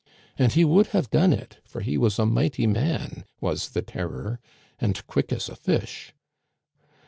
And he would have done it, for he was a mighty man — was the Terror — and quick as a fish.